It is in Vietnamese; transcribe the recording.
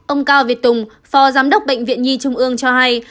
ông cao việt tùng phó giám đốc bệnh viện nhi trung ương cho hay